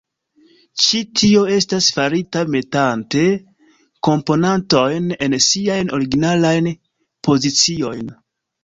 Ĉi tio estas farita metante komponantojn en siajn originalajn poziciojn.